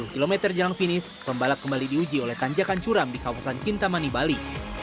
dua puluh km jalan finish pembalap kembali diuji oleh tanjakan curam di kawasan kintamani bali